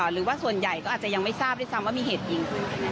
หรือว่าส่วนใหญ่ก็อาจจะยังไม่ทราบด้วยซ้ำว่ามีเหตุยิง